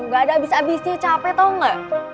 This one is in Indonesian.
gak ada abis abisnya capek tau gak